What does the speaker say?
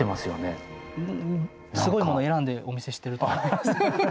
すごいもの選んでお見せしてると思います。